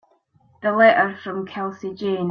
The letter from Kelsey Jane.